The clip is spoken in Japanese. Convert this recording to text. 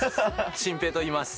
慎平といいます。